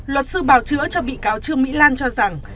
luật sư bào chữa cho bị cáo trương mỹ lan cho rằng